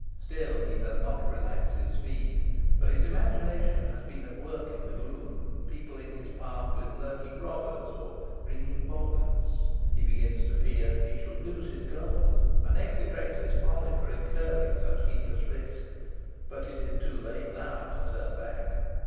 Still, he does not relax his speed, for his imagination has been at work in the gloom, peopling his path with lurking robbers or grinning boggarts. He begins to fear he shall lose his gold, and execrates his folly for incurring such heedless risk. But it is too late now to turn back.